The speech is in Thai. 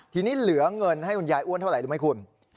ทีนี้เหลือเงินให้คุณยายอ้วนเท่าไหร่รู้ไหมคุณ